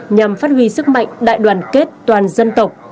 nhằm phát huy sức mạnh đại đoàn kết toàn dân tộc